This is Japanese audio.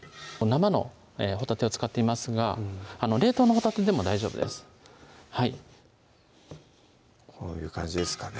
生のほたてを使っていますが冷凍のほたてでも大丈夫ですこういう感じですかね